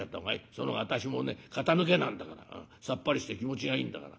その方が私もね肩抜けなんだからさっぱりして気持ちがいいんだから。